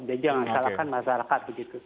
jadi jangan salahkan masyarakat